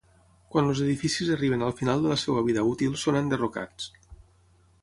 Quan els edificis arriben al final de la seva vida útil són enderrocats.